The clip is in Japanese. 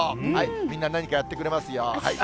みんな何かやってくれますよ。